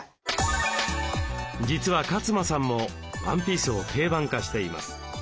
実は勝間さんもワンピースを定番化しています。